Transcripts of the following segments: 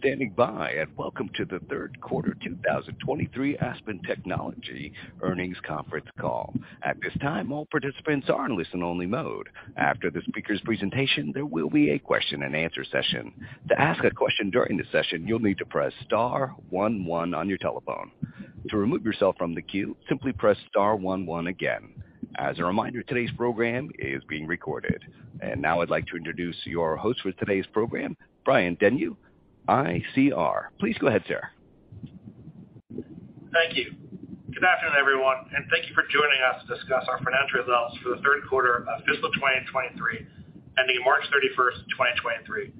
Thank you for standing by. Welcome to the third quarter 2023 Aspen Technology earnings conference call. At this time, all participants are in listen only mode. After the speaker's presentation, there will be a question-and-answer session. To ask a question during the session, you'll need to press star one one on your telephone. To remove yourself from the queue, simply press star one one again. As a reminder, today's program is being recorded. Now I'd like to introduce your host for today's program, Brian Denyeau, ICR. Please go ahead, sir. Thank you. Good afternoon, everyone, and thank you for joining us to discuss our financial results for the third quarter of fiscal 2023, ending March 31st, 2023.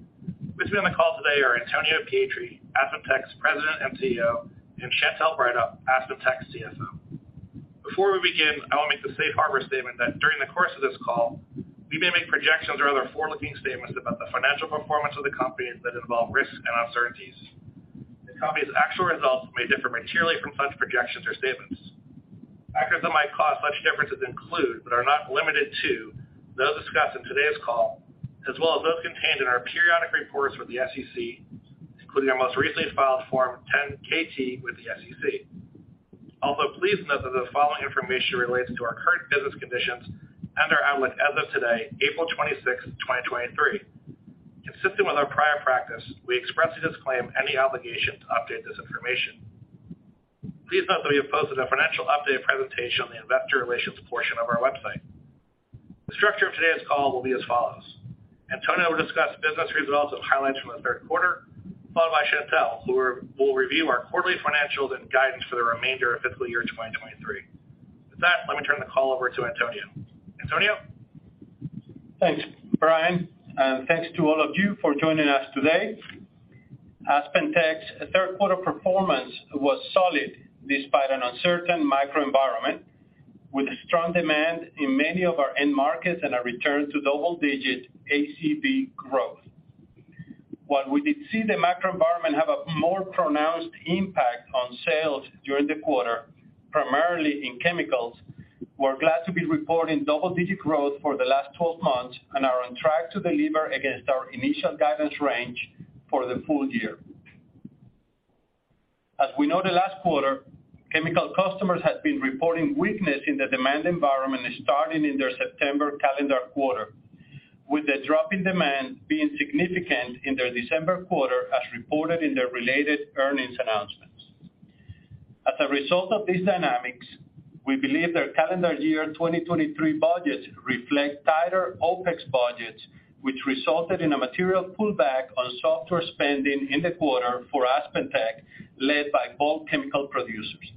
With me on the call today are Antonio Pietri, AspenTech's President and CEO, and Chantelle Breithaupt, AspenTech's CFO. Before we begin, I wanna make the safe harbor statement that during the course of this call, we may make projections or other forward-looking statements about the financial performance of the company that involve risks and uncertainties. The company's actual results may differ materially from such projections or statements. Factors that might cause such differences include, but are not limited to, those discussed in today's call, as well as those contained in our periodic reports with the SEC, including our most recently filed Form 10-KT with the SEC. Please note that the following information relates to our current business conditions and our outlook as of today, April 26, 2023. Consistent with our prior practice, we expressly disclaim any obligation to update this information. Please note that we have posted a financial update presentation on the investor relations portion of our website. The structure of today's call will be as follows: Antonio will discuss business results of highlights from the third quarter, followed by Chantelle, who will review our quarterly financials and guidance for the remainder of fiscal year 2023. Let me turn the call over to Antonio. Antonio? Thanks, Brian, and thanks to all of you for joining us today. AspenTech's third quarter performance was solid despite an uncertain microenvironment, with a strong demand in many of our end markets and a return to double-digit ACV growth. While we did see the macro environment have a more pronounced impact on sales during the quarter, primarily in chemicals, we're glad to be reporting double-digit growth for the last 12 months and are on track to deliver against our initial guidance range for the full year. As we know the last quarter, chemical customers had been reporting weakness in the demand environment starting in their September calendar quarter, with the drop in demand being significant in their December quarter as reported in their related earnings announcements. As a result of these dynamics, we believe their calendar year 2023 budgets reflect tighter OpEx budgets, which resulted in a material pullback on software spending in the quarter for AspenTech, led by bulk chemical producers.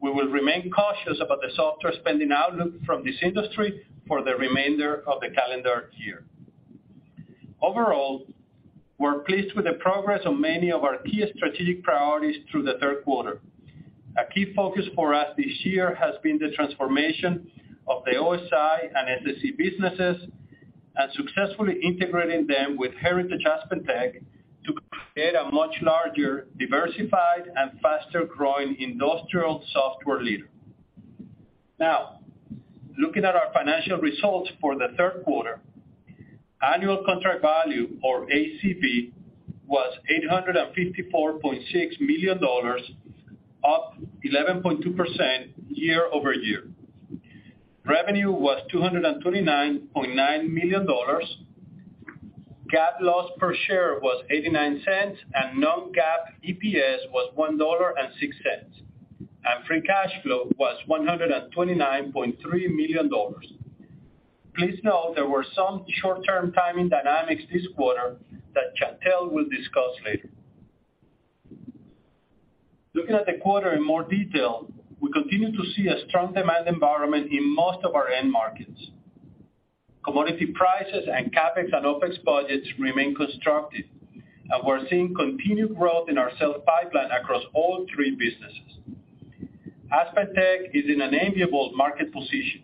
We will remain cautious about the software spending outlook from this industry for the remainder of the calendar year. Overall, we're pleased with the progress of many of our key strategic priorities through the third quarter. A key focus for us this year has been the transformation of the OSI and SSE businesses and successfully integrating them with Heritage AspenTech to create a much larger, diversified, and faster-growing industrial software leader. Now, looking at our financial results for the third quarter, annual contract value or ACV was $854.6 million, up 11.2% year-over-year. Revenue was $229.9 million. GAAP loss per share was $0.89, and non-GAAP EPS was $1.06. Free cash flow was $129.3 million. Please note there were some short-term timing dynamics this quarter that Chantelle will discuss later. Looking at the quarter in more detail, we continue to see a strong demand environment in most of our end markets. Commodity prices and CapEx and OpEx budgets remain constructive, and we're seeing continued growth in our sales pipeline across all three businesses. AspenTech is in an enviable market position,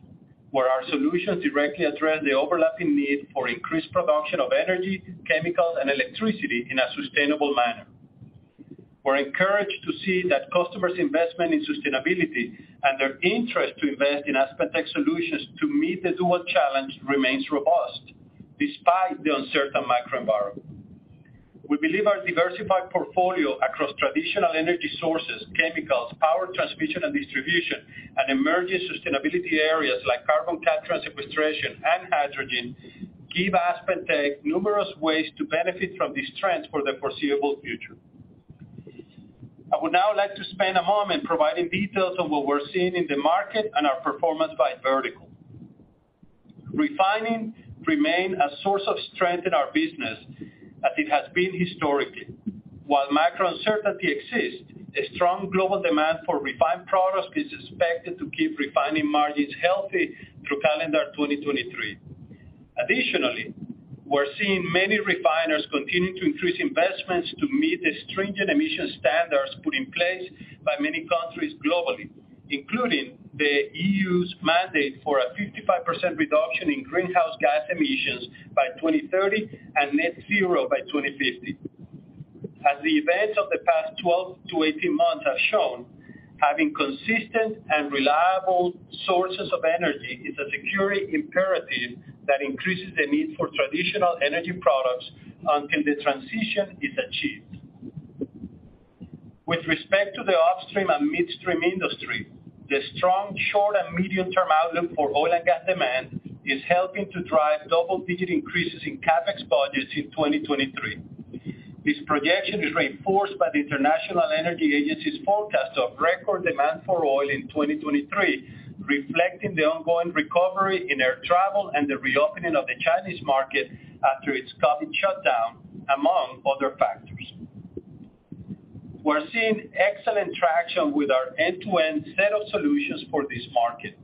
where our solutions directly address the overlapping need for increased production of energy, chemicals, and electricity in a sustainable manner. We're encouraged to see that customers' investment in sustainability and their interest to invest in AspenTech solutions to meet the dual challenge remains robust despite the uncertain microenvironment. We believe our diversified portfolio across traditional energy sources, chemicals, power transmission and distribution, and emerging sustainability areas like carbon capture and sequestration and hydrogen, give AspenTech numerous ways to benefit from these trends for the foreseeable future. I would now like to spend a moment providing details on what we're seeing in the market and our performance by vertical. Refining remain a source of strength in our business as it has been historically. While macro uncertainty exists, a strong global demand for refined products is expected to keep refining margins healthy through calendar 2023. We're seeing many refiners continue to increase investments to meet the stringent emission standards put in place by many countries globally, including the EU's mandate for a 55% reduction in greenhouse gas emissions by 2030 and net zero by 2050. Having consistent and reliable sources of energy is a security imperative that increases the need for traditional energy products until the transition is achieved. With respect to the upstream and midstream industry, the strong short and medium-term outlook for oil and gas demand is helping to drive double-digit increases in CapEx budgets in 2023. This projection is reinforced by the International Energy Agency's forecast of record demand for oil in 2023, reflecting the ongoing recovery in air travel and the reopening of the Chinese market after its COVID shutdown, among other factors. We're seeing excellent traction with our end-to-end set of solutions for this market.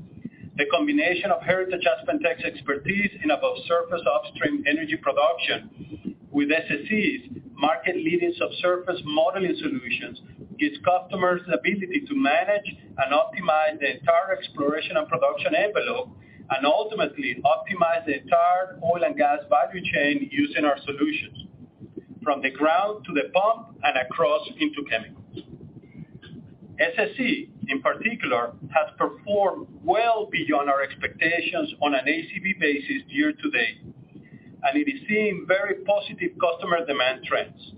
The combination of Heritage AspenTech's expertise in above surface upstream energy production with SSE's market-leading sub-surface modeling solutions gives customers the ability to manage and optimize the entire exploration and production envelope and ultimately optimize the entire oil and gas value chain using our solutions from the ground to the pump and across into chemicals. SSE, in particular, has performed well beyond our expectations on an ACV basis year-to-date, and it is seeing very positive customer demand trends.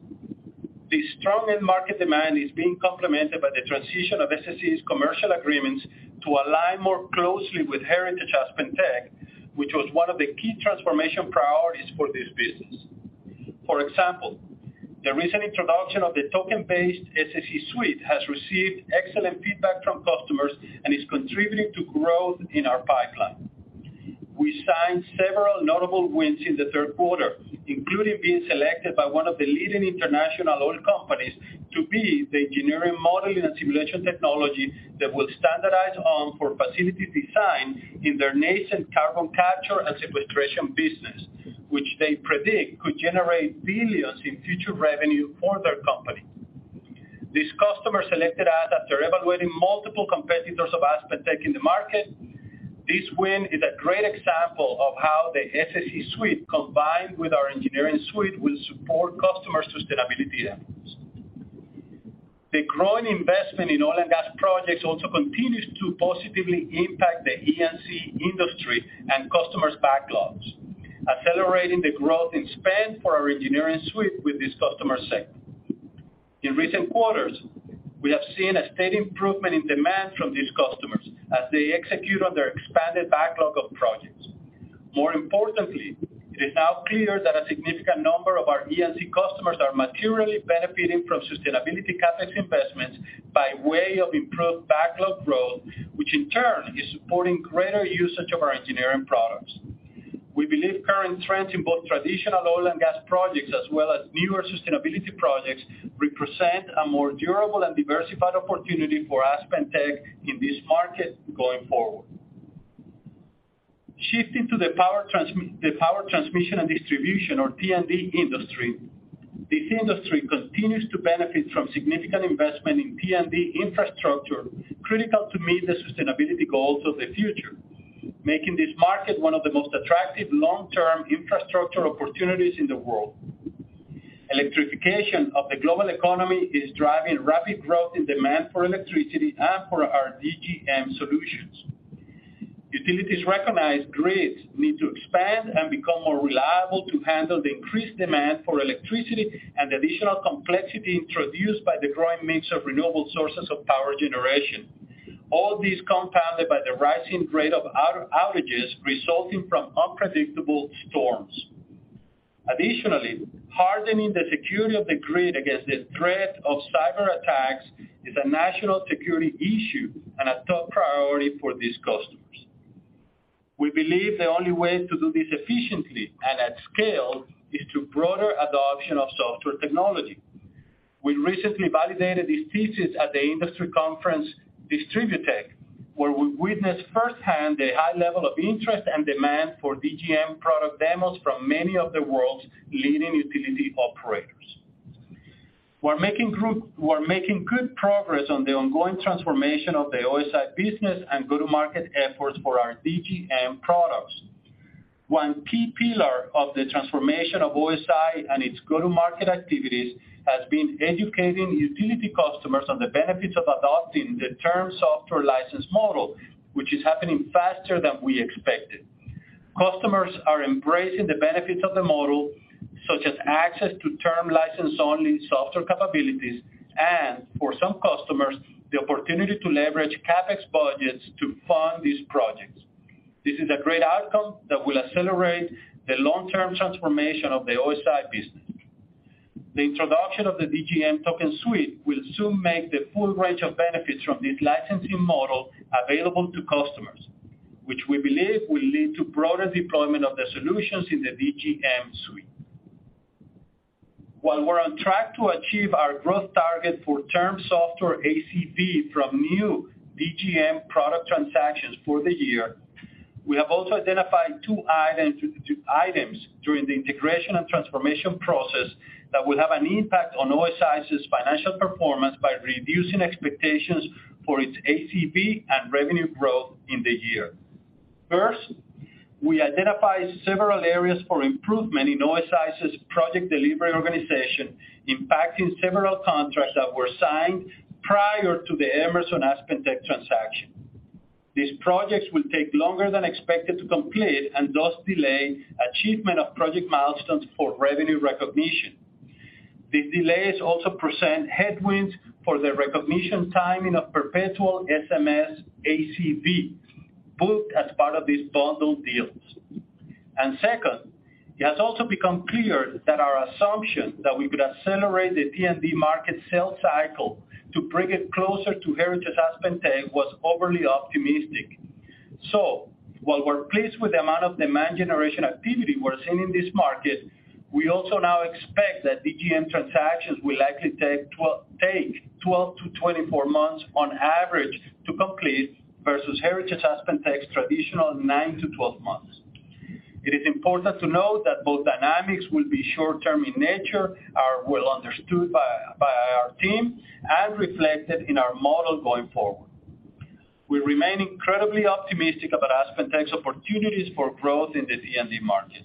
This strong end market demand is being complemented by the transition of SSE's commercial agreements to align more closely with Heritage AspenTech, which was one of the key transformation priorities for this business. For example, the recent introduction of the token-based SSE Suite has received excellent feedback from customers and is contributing to growth in our pipeline. We signed several notable wins in the third quarter, including being selected by one of the leading international oil companies to be the engineering modeling and simulation technology that will standardize on for facility design in their nascent carbon capture and sequestration business, which they predict could generate billions in future revenue for their company. This customer selected us after evaluating multiple competitors of AspenTech in the market. This win is a great example of how the SSE Suite combined with our engineering suite will support customers' sustainability efforts. The growing investment in oil and gas projects also continues to positively impact the E&C industry and customers' backlogs, accelerating the growth in spend for our engineering suite with this customer segment. In recent quarters, we have seen a steady improvement in demand from these customers as they execute on their expanded backlog of projects. It is now clear that a significant number of our E&C customers are materially benefiting from sustainability CapEx investments by way of improved backlog growth, which in turn is supporting greater usage of our engineering products. We believe current trends in both traditional oil and gas projects as well as newer sustainability projects represent a more durable and diversified opportunity for AspenTech in this market going forward. Shifting to the power transmission and distribution or T&D industry. This industry continues to benefit from significant investment in T&D infrastructure critical to meet the sustainability goals of the future, making this market one of the most attractive long-term infrastructure opportunities in the world. Electrification of the global economy is driving rapid growth in demand for electricity and for our DGM solutions. Utilities recognize grids need to expand and become more reliable to handle the increased demand for electricity and additional complexity introduced by the growing mix of renewable sources of power generation. All of these compounded by the rising rate of outages resulting from unpredictable storms. Additionally, hardening the security of the grid against the threat of cyberattacks is a national security issue and a top priority for these customers. We believe the only way to do this efficiently and at scale is through broader adoption of software technology. We recently validated this thesis at the industry conference, DISTRIBUTECH, where we witnessed firsthand the high level of interest and demand for DGM product demos from many of the world's leading utility operators. We're making good progress on the ongoing transformation of the OSI business and go-to-market efforts for our DGM products. One key pillar of the transformation of OSI and its go-to-market activities has been educating utility customers on the benefits of adopting the term software license model, which is happening faster than we expected. Customers are embracing the benefits of the model, such as access to term license-only software capabilities and for some customers, the opportunity to leverage CapEx budgets to fund these projects. This is a great outcome that will accelerate the long-term transformation of the OSI business. The introduction of the DGM Token Suite will soon make the full range of benefits from this licensing model available to customers, which we believe will lead to broader deployment of the solutions in the DGM Suite. While we're on track to achieve our growth target for term software ACV from new DGM product transactions for the year, we have also identified two items during the integration and transformation process that will have an impact on OSI's financial performance by reducing expectations for its ACV and revenue growth in the year. First, we identified several areas for improvement in OSI's project delivery organization, impacting several contracts that were signed prior to the Emerson AspenTech transaction. These projects will take longer than expected to complete and thus delay achievement of project milestones for revenue recognition. These delays also present headwinds for the recognition timing of perpetual SMS ACV, booked as part of these bundled deals. Second, it has also become clear that our assumption that we could accelerate the D&D market sales cycle to bring it closer to Heritage AspenTech was overly optimistic. While we're pleased with the amount of demand generation activity we're seeing in this market, we also now expect that DGM transactions will likely take 12-24 months on average to complete, versus Heritage AspenTech's traditional 9-12 months. It is important to note that both dynamics will be short-term in nature, are well understood by our team, and reflected in our model going forward. We remain incredibly optimistic about AspenTech's opportunities for growth in the D&D market.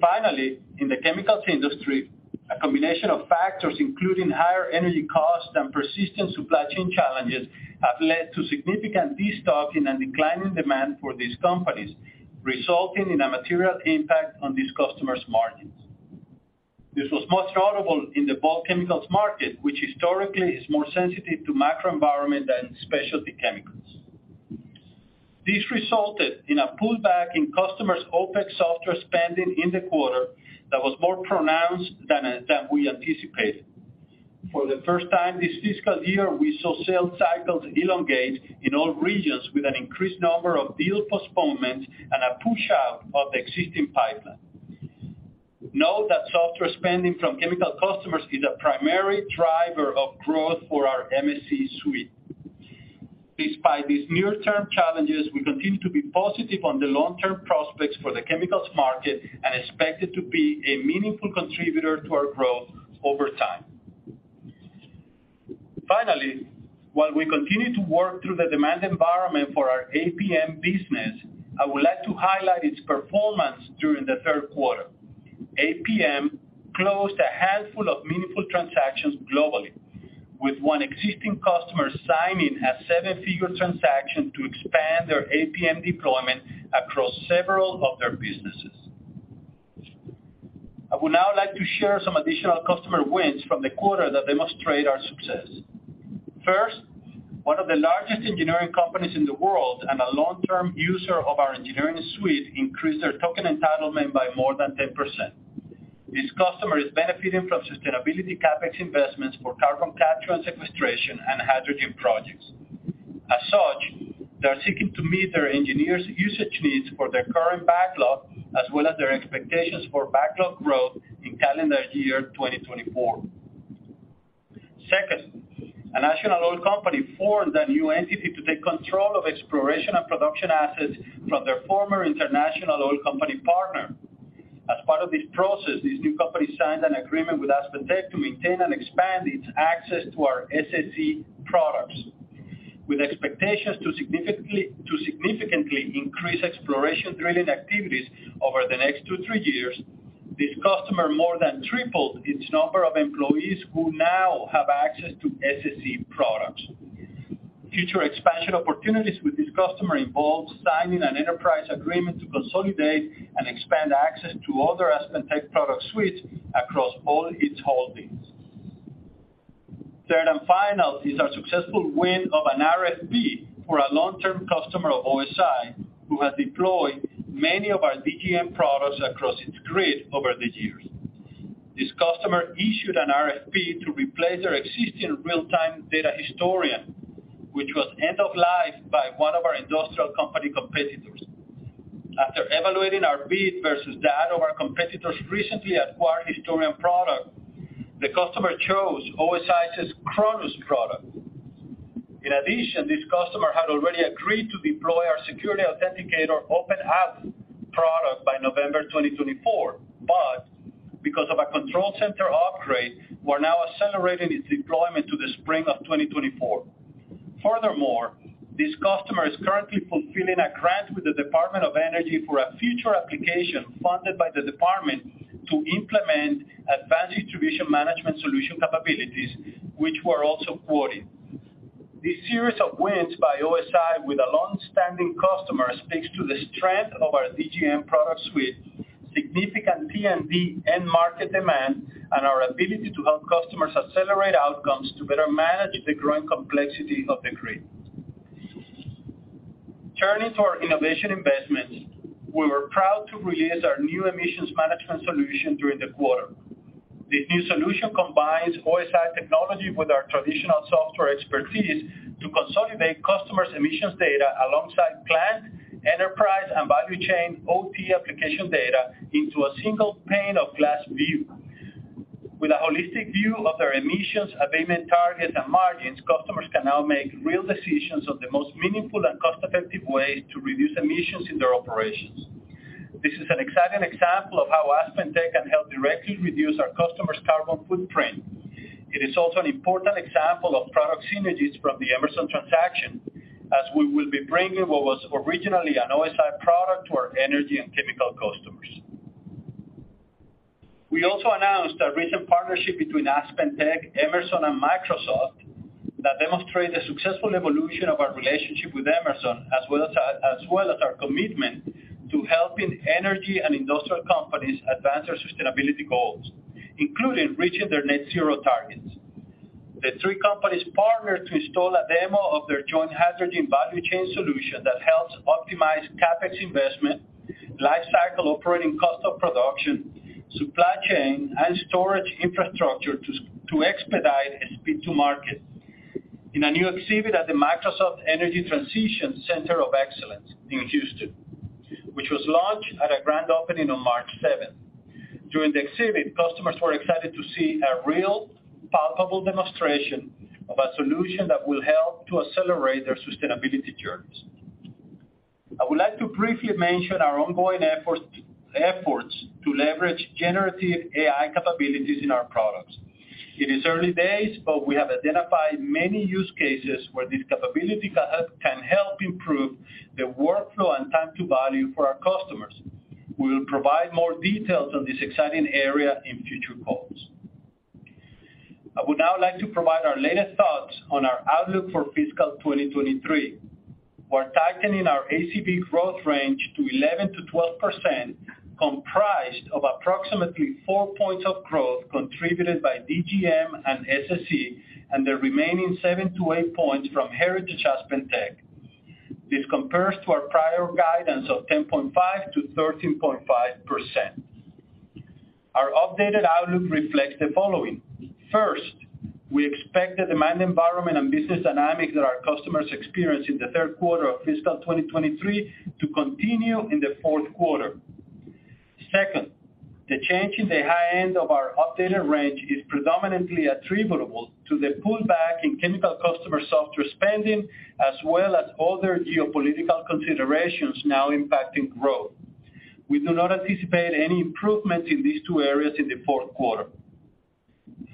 Finally, in the chemicals industry, a combination of factors, including higher energy costs and persistent supply chain challenges, have led to significant destocking and declining demand for these companies, resulting in a material impact on these customers' margins. This was most notable in the bulk chemicals market, which historically is more sensitive to macro environment than specialty chemicals. This resulted in a pullback in customers' OpEx software spending in the quarter that was more pronounced than than we anticipated. For the first time this fiscal year, we saw sales cycles elongate in all regions with an increased number of deal postponements and a push-out of the existing pipeline. Note that software spending from chemical customers is a primary driver of growth for our MSC suite. Despite these near-term challenges, we continue to be positive on the long-term prospects for the chemicals market and expect it to be a meaningful contributor to our growth over time. While we continue to work through the demand environment for our APM business, I would like to highlight its performance during the third quarter. APM closed a handful of meaningful transactions globally, with one existing customer signing a seven-figure transaction to expand their APM deployment across several of their businesses. I would now like to share some additional customer wins from the quarter that demonstrate our success. First, one of the largest engineering companies in the world and a long-term user of our engineering suite increased their token entitlement by more than 10%. This customer is benefiting from sustainability CapEx investments for carbon capture and sequestration and hydrogen projects. As such, they are seeking to meet their engineers' usage needs for their current backlog, as well as their expectations for backlog growth in calendar year 2024. Second, a national oil company formed a new entity to take control of exploration and production assets from their former international oil company partner. As part of this process, this new company signed an agreement with AspenTech to maintain and expand its access to our SSE products. With expectations to significantly increase exploration-driven activities over the next two, three years, this customer more than tripled its number of employees who now have access to SSE products. Future expansion opportunities with this customer involve signing an enterprise agreement to consolidate and expand access to other AspenTech product suites across all its holdings. Third and final is our successful win of an RFP for a long-term customer of OSI, who has deployed many of our DGM products across its grid over the years. This customer issued an RFP to replace their existing real-time data historian, which was end of life by one of our industrial company competitors. After evaluating our bid versus that of our competitor's recently acquired historian product, the customer chose OSI's CHRONUS product. In addition, this customer had already agreed to deploy our security authenticator OpenAM product by November 2024. Because of a control center upgrade, we're now accelerating its deployment to the spring of 2024. Furthermore, this customer is currently fulfilling a grant with the Department of Energy for a future application funded by the department to implement advanced distribution management solution capabilities, which were also quoted. This series of wins by OSI with a long-standing customer speaks to the strength of our DGM product suite, significant D&D end market demand, and our ability to help customers accelerate outcomes to better manage the growing complexity of the grid. Turning to our innovation investments, we were proud to release our new emissions management solution during the quarter. This new solution combines OSI technology with our traditional software expertise to consolidate customers' emissions data alongside plant, enterprise, and value chain OT application data into a single pane of glass view. With a holistic view of their emissions, abatement targets, and margins, customers can now make real decisions of the most meaningful and cost-effective way to reduce emissions in their operations. This is an exciting example of how AspenTech can help directly reduce our customers' carbon footprint. It is also an important example of product synergies from the Emerson transaction, as we will be bringing what was originally an OSI product to our energy and chemical customers. We also announced a recent partnership between AspenTech, Emerson, and Microsoft that demonstrate the successful evolution of our relationship with Emerson, as well as our commitment to helping energy and industrial companies advance their sustainability goals, including reaching their net zero targets. The three companies partnered to install a demo of their joint hydrogen value chain solution that helps optimize CapEx investment, lifecycle operating cost of production, supply chain, and storage infrastructure to expedite and speed to market. In a new exhibit at the Microsoft Energy Transition Center of Excellence in Houston, which was launched at a grand opening on March seventh. During the exhibit, customers were excited to see a real, palpable demonstration of a solution that will help to accelerate their sustainability journeys. I would like to briefly mention our ongoing efforts to leverage generative AI capabilities in our products. It is early days, but we have identified many use cases where this capability can help improve the workflow and time to value for our customers. We will provide more details on this exciting area in future calls. I would now like to provide our latest thoughts on our outlook for fiscal 2023. We're tightening our ACV growth range to 11%-12%, comprised of approximately 4 points of growth contributed by DGM and SSE, and the remaining 7-8 points from Heritage AspenTech. This compares to our prior guidance of 10.5%-13.5%. Our updated outlook reflects the following. First, we expect the demand environment and business dynamics that our customers experience in the third quarter of fiscal 2023 to continue in the fourth quarter. Second, the change in the high end of our updated range is predominantly attributable to the pullback in chemical customer software spending, as well as other geopolitical considerations now impacting growth. We do not anticipate any improvement in these two areas in the fourth quarter.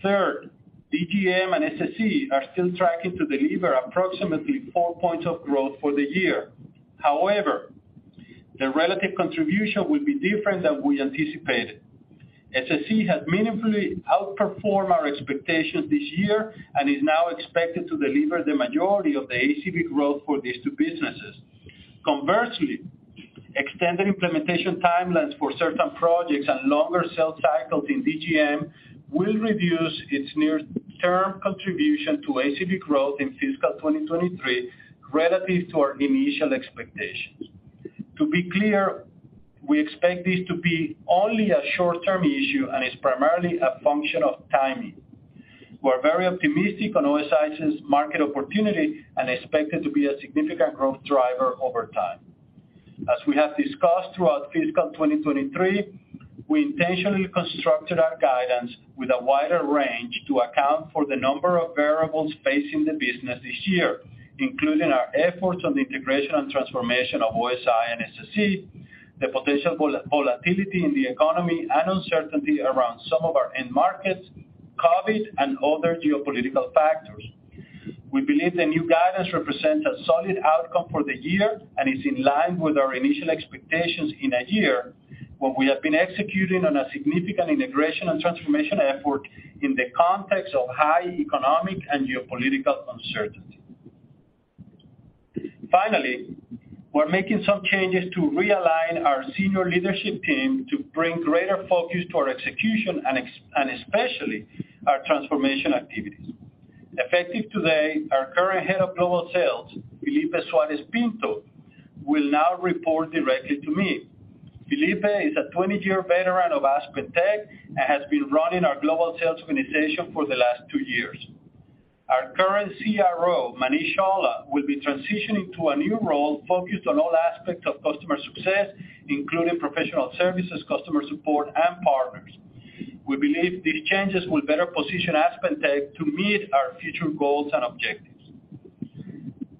Third, DGM and SSE are still tracking to deliver approximately 4 points of growth for the year. The relative contribution will be different than we anticipated. SSE has meaningfully outperformed our expectations this year and is now expected to deliver the majority of the ACV growth for these two businesses. Conversely, extended implementation timelines for certain projects and longer sales cycles in DGM will reduce its near-term contribution to ACV growth in fiscal 2023 relative to our initial expectations. To be clear, we expect this to be only a short-term issue and is primarily a function of timing. We're very optimistic on OSI's market opportunity and expect it to be a significant growth driver over time. As we have discussed throughout fiscal 2023, we intentionally constructed our guidance with a wider range to account for the number of variables facing the business this year, including our efforts on the integration and transformation of OSI and SSE, the potential volatility in the economy and uncertainty around some of our end markets, COVID, and other geopolitical factors. We believe the new guidance represents a solid outcome for the year and is in line with our initial expectations in a year when we have been executing on a significant integration and transformation effort in the context of high economic and geopolitical uncertainty. Finally, we're making some changes to realign our senior leadership team to bring greater focus to our execution and especially our transformation activities. Effective today, our current head of global sales, Felipe Suarez Pinto, will now report directly to me. Felipe is a 20-year veteran of AspenTech and has been running our global sales organization for the last two years. Our current CRO, Manish Jha, will be transitioning to a new role focused on all aspects of customer success, including professional services, customer support, and partners. We believe these changes will better position AspenTech to meet our future goals and objectives.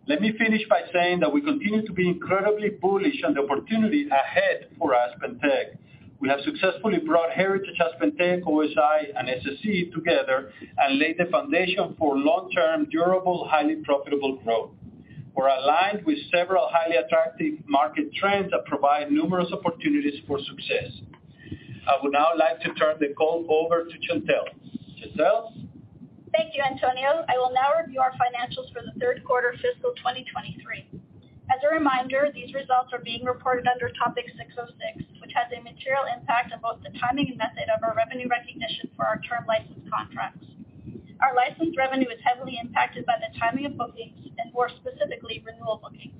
Let me finish by saying that we continue to be incredibly bullish on the opportunity ahead for AspenTech. We have successfully brought Heritage AspenTech, OSI, and SSE together and laid the foundation for long-term, durable, highly profitable growth. We're aligned with several highly attractive market trends that provide numerous opportunities for success. I would now like to turn the call over to Chantelle. Chantelle? Thank you, Antonio. I will now review our financials for the third quarter of fiscal 2023. As a reminder, these results are being reported under Topic 606, which has a material impact on both the timing and method of our revenue recognition for our term license contracts. Our license revenue is heavily impacted by the timing of bookings and more specifically, renewal bookings.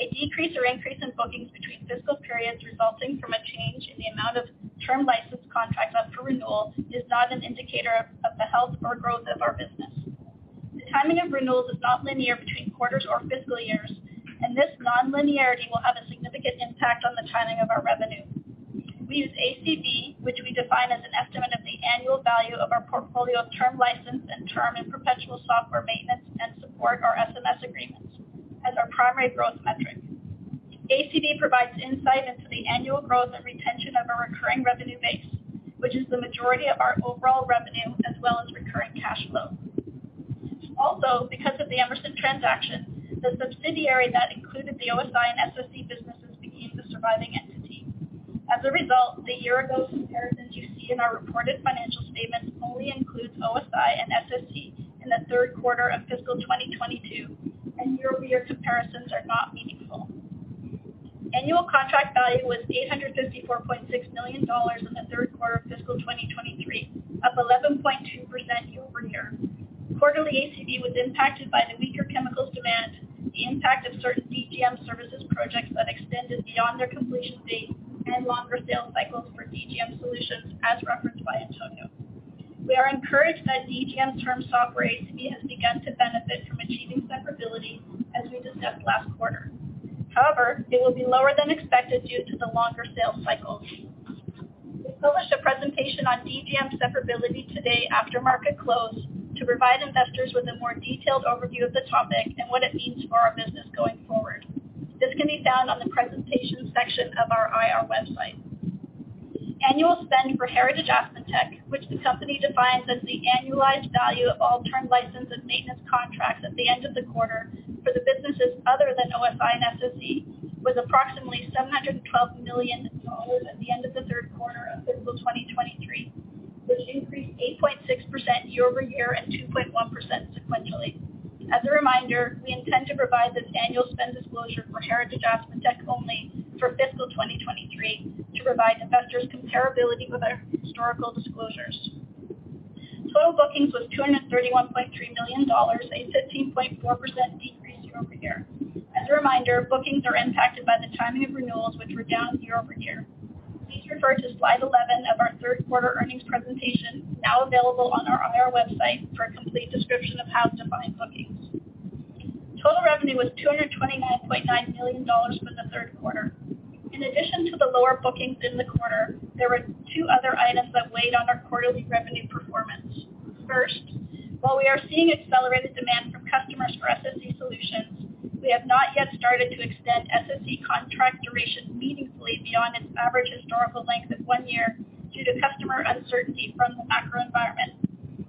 A decrease or increase in bookings between fiscal periods resulting from a change in the amount of term license contracts up for renewal is not an indicator of the health or growth of our business. The timing of renewals is not linear between quarters or fiscal years, and this non-linearity will have a significant impact on the timing of our revenue. We use ACV, which we define as an estimate of the annual value of our portfolio of term license and term and perpetual software maintenance and support our SMS agreements. Primary growth metrics. ACV provides insight into the annual growth and retention of a recurring revenue base, which is the majority of our overall revenue as well as recurring cash flow. Because of the Emerson transaction, the subsidiary that included the OSI and SSE businesses became the surviving entity. As a result, the year ago comparisons you see in our reported financial statements only includes OSI and SSE in the third quarter of fiscal 2022, and year-over-year comparisons are not meaningful. Annual contract value was $854.6 million in the third quarter of fiscal 2023, up 11.2% year-over-year. Quarterly ACV was impacted by the weaker chemicals demand, the impact of certain DGM services projects that extended beyond their completion date and longer sales cycles for DGM solutions as referenced by Antonio. We are encouraged that DGM's term software ACV has begun to benefit from achieving separability, as we discussed last quarter. It will be lower than expected due to the longer sales cycles. We published a presentation on DGM separability today after market close to provide investors with a more detailed overview of the topic and what it means for our business going forward. This can be found on the presentations section of our IR website. Annual spend for Heritage AspenTech, which the company defines as the annualized value of all term license and maintenance contracts at the end of the quarter for the businesses other than OSI and SSC, was approximately $712 million at the end of the third quarter of fiscal 2023, which increased 8.6% year-over-year and 2.1% sequentially. As a reminder, we intend to provide this annual spend disclosure for Heritage AspenTech only for fiscal 2023 to provide investors comparability with our historical disclosures. Total bookings was $231.3 million, a 15.4% decrease year-over-year. As a reminder, bookings are impacted by the timing of renewals, which were down year-over-year. Please refer to slide 11 of our third quarter earnings presentation, now available on our IR website for a complete description of how to define bookings. Total revenue was $229.9 million for the third quarter. In addition to the lower bookings in the quarter, there were two other items that weighed on our quarterly revenue performance. First, while we are seeing accelerated demand from customers for SSC solutions, we have not yet started to extend SSC contract duration meaningfully beyond its average historical length of one year due to customer uncertainty from the macro environment.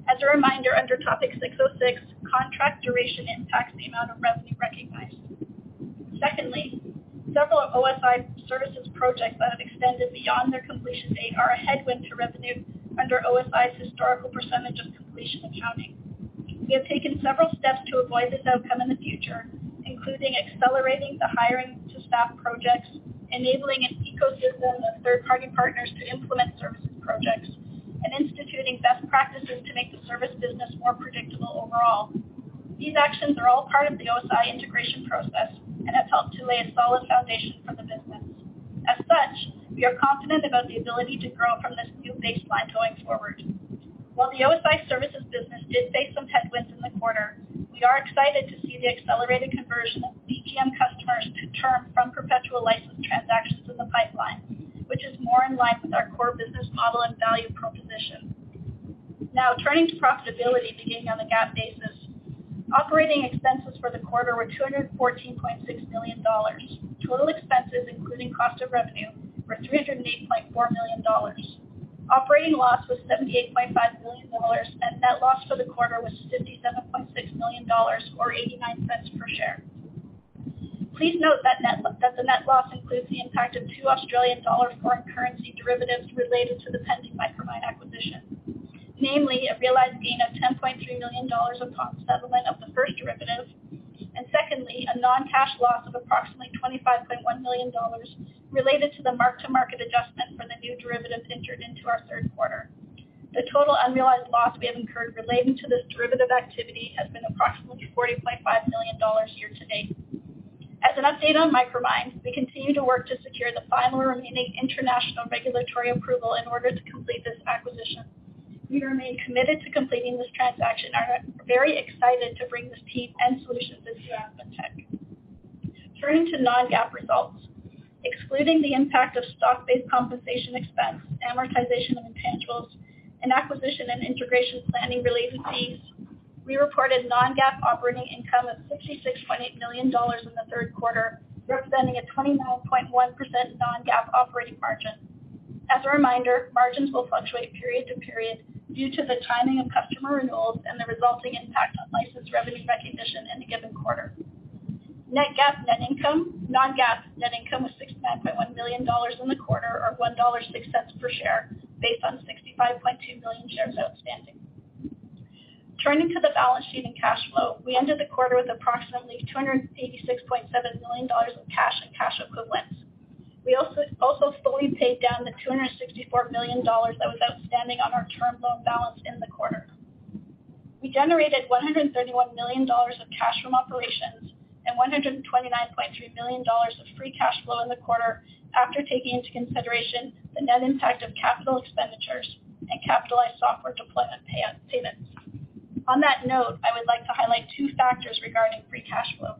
As a reminder, under Topic 606, contract duration impacts the amount of revenue recognized. Secondly, several OSI services projects that have extended beyond their completion date are a headwind to revenue under OSI's historical percentage of completion accounting. We have taken several steps to avoid this outcome in the future, including accelerating the hiring to staff projects, enabling an ecosystem of third-party partners to implement services projects, and instituting best practices to make the service business more predictable overall. These actions are all part of the OSI integration process and have helped to lay a solid foundation for the business. We are confident about the ability to grow from this new baseline going forward. While the OSI services business did face some headwinds in the quarter, we are excited to see the accelerated conversion of DGM customers to term from perpetual license transactions in the pipeline, which is more in line with our core business model and value proposition. Turning to profitability, beginning on the GAAP basis. Operating expenses for the quarter were $214.6 million. Total expenses, including cost of revenue, were $308.4 million. Operating loss was $78.5 million. Net loss for the quarter was $57.6 million, or $0.89 per share. Please note that the net loss includes the impact of two AUD foreign currency derivatives related to the pending Micromine acquisition. Namely, a realized gain of $10.3 million upon settlement of the first derivative. Secondly, a non-cash loss of approximately $25.1 million related to the mark-to-market adjustment for the new derivative entered into our third quarter. The total unrealized loss we have incurred relating to this derivative activity has been approximately $45 million year-to-date. As an update on Micromine, we continue to work to secure the final remaining international regulatory approval in order to complete this acquisition. We remain committed to completing this transaction and are very excited to bring this team and solutions into AspenTech. Turning to non-GAAP results. Excluding the impact of stock-based compensation expense, amortization of intangibles, and acquisition and integration planning-related fees, we reported non-GAAP operating income of $66.8 million in the third quarter, representing a 29.1% non-GAAP operating margin. As a reminder, margins will fluctuate period to period due to the timing of customer renewals and the resulting impact on licensed revenue recognition in a given quarter. Non-GAAP net income was $69.1 million in the quarter, or $1.06 per share, based on 65.2 million shares outstanding. Turning to the balance sheet and cash flow. We ended the quarter with approximately $286.7 million of cash and cash equivalents. We also fully paid down the $264 million that was outstanding on our term loan balance in the quarter. We generated $131 million of cash from operations and $129.3 million of free cash flow in the quarter after taking into consideration the net impact of capital expenditures and capitalized software deployment pay out payments. On that note, I would like to highlight two factors regarding free cash flow.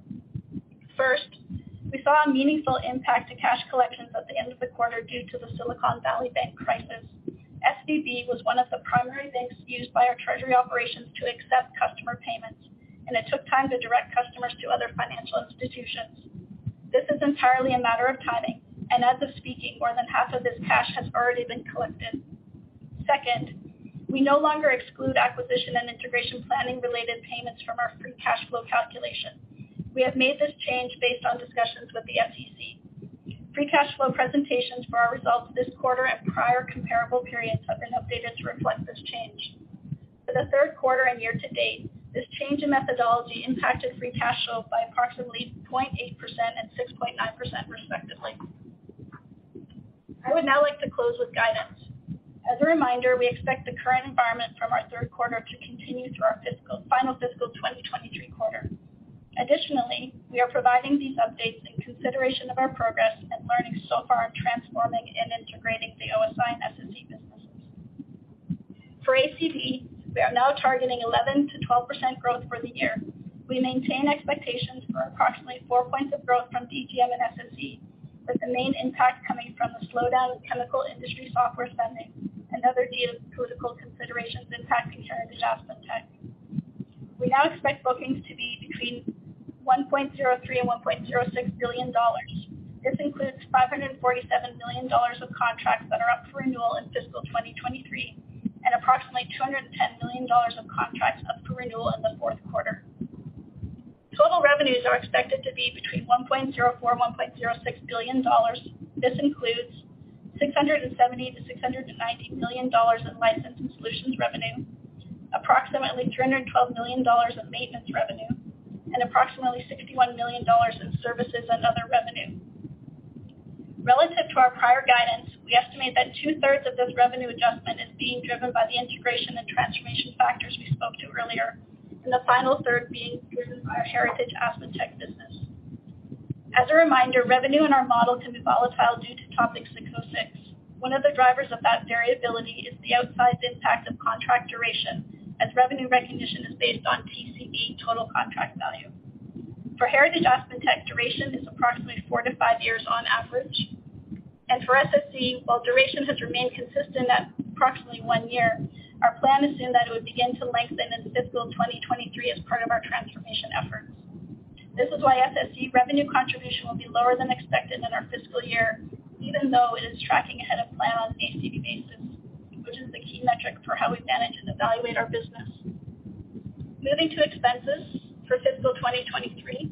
First, we saw a meaningful impact to cash collections at the end of the quarter due to the Silicon Valley Bank crisis. SVB was one of the primary banks used by our treasury operations to accept customer payments, and it took time to direct customers to other financial institutions. This is entirely a matter of timing. As of speaking, more than half of this cash has already been collected. Second, we no longer exclude acquisition and integration planning related payments from our free cash flow calculation. We have made this change based on discussions with the SEC. Free cash flow presentations for our results this quarter and prior comparable periods have been updated to reflect this change. For the third quarter and year-to-date, this change in methodology impacted free cash flow by approximately 0.8% and 6.9% respectively. I would now like to close with guidance. As a reminder, we expect the current environment from our third quarter to continue through our fiscal, final fiscal 2023 quarter. We are providing these updates in consideration of our progress and learning so far transforming and integrating the OSI and SSE businesses. For ACV, we are now targeting 11%-12% growth for the year. We maintain expectations for approximately 4 points of growth from DGM and SSE, with the main impact coming from the slowdown of chemical industry software spending and other geopolitical considerations impacting Heritage AspenTech. We now expect bookings to be between $1.03 billion and $1.06 billion. This includes $547 million of contracts that are up for renewal in fiscal 2023, and approximately $210 million of contracts up for renewal in the fourth quarter. Total revenues are expected to be between $1.04 billion and $1.06 billion. This includes $670 million-$690 million in license and solutions revenue, approximately $312 million of maintenance revenue, and approximately $61 million in services and other revenue. Relative to our prior guidance, we estimate that 2/3s of this revenue adjustment is being driven by the integration and transformation factors we spoke to earlier, and the final third being driven by our Heritage AspenTech business. As a reminder, revenue in our model can be volatile due to Topic 606. One of the drivers of that variability is the outsized impact of contract duration as revenue recognition is based on TCV, total contract value. For Heritage AspenTech, duration is approximately four to five years on average. For SSE, while duration has remained consistent at approximately one year, our plan assumed that it would begin to lengthen in fiscal 2023 as part of our transformation efforts. This is why SSE revenue contribution will be lower than expected in our fiscal year, even though it is tracking ahead of plan on an ACV basis, which is the key metric for how we manage and evaluate our business. Moving to expenses for fiscal 2023,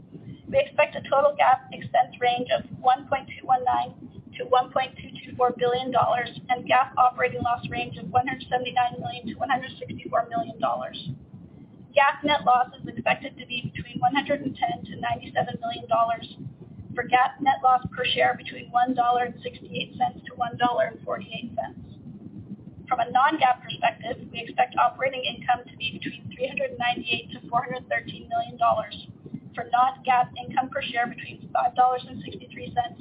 we expect a total GAAP expense range of $1.219 billion-$1.224 billion and GAAP operating loss range of $179 million-$164 million. GAAP net loss is expected to be between $110 million-$97 million. For GAAP net loss per share between $1.68-$1.48. From a non-GAAP perspective, we expect operating income to be between $398 million-$413 million, for non-GAAP income per share between $5.63-$5.83.